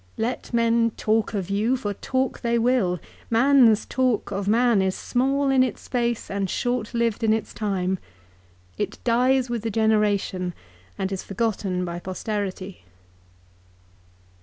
Let men talk of you, for talk they will. Man's talk of man is small in its space, and short lived in its time. It dies with a generation and is forgotten by posterity.'